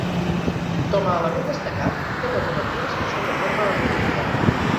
Com a element destacat, té les obertures que són de forma arrodonida.